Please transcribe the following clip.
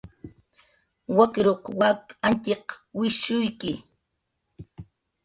Wakiruq wak Añtxiq wishshuyki.